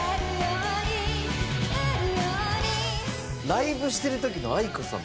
ライブしてる時のａｉｋｏさん